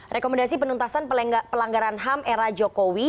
rekomendasi penuntasan pelanggaran ham era jokowi